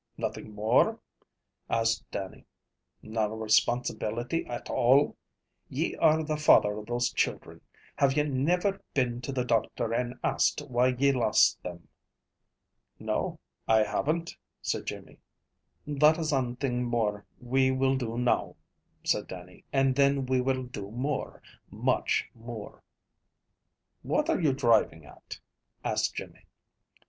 "Nothing more?" asked Dannie. "Na responsibility at all. Ye are the father of those children. Have ye never been to the doctor, and asked why ye lost them?" "No, I haven't," said Jimmy. "That is ane thing we will do now," said Dannie, "and then we will do more, much more." "What are you driving at?" asked Jimmy.